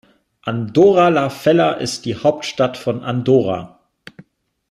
Andorra la Vella ist die Hauptstadt von Andorra.